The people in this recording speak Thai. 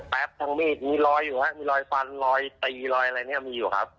ทั้งมีดมีรอยอยู่ครับมีรอยฟันรอยตีรอยอะไรเนี่ยมีอยู่ครับ